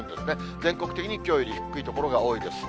全国的にきょうより低い所が多いです。